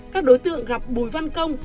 các đối tượng gặp bùi văn công